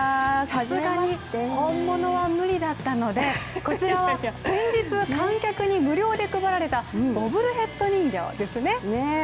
さすがに本物は無理だったのでこちらは、先日、観客に無料で配られたボブルヘッド人形ですね。